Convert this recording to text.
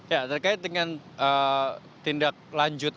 ya terkait dengan tindak lanjut